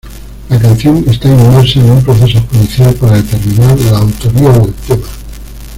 La canción está inmersa en un proceso judicial para determinar la autoría del tema.